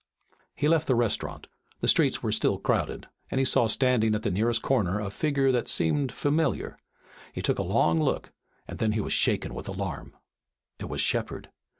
He left the restaurant. The streets were still crowded, and he saw standing at the nearest corner a figure that seemed familiar. He took a long look, and then he was shaken with alarm. It was Shepard.